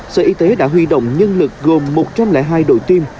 sở y tế đã huy động nhân lực gồm một trăm linh hai đội tiêm